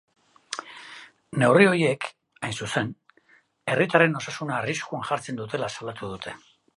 Neurri horiek, hain zuzen, herritarren osasuna arriskuan jartzen dutela salatu dute.